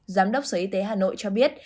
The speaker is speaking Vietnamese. giám đốc sở y tế hà nội cho biết